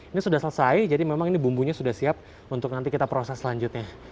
ini sudah selesai jadi memang ini bumbunya sudah siap untuk nanti kita proses selanjutnya